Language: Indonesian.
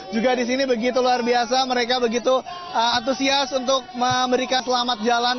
juga di sini begitu luar biasa mereka begitu antusias untuk memberikan selamat jalan